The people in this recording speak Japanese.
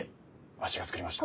わしが造りました。